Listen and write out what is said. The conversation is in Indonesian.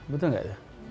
betul nggak ya